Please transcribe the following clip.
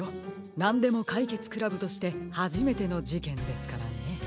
なんでもかいけつ倶楽部としてはじめてのじけんですからね。